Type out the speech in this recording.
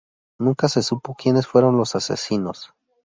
Nunca se supo quienes fueron los asesinos.